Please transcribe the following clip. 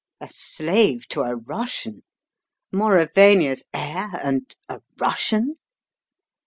"A slave to a Russian? Mauravania's heir and a Russian?"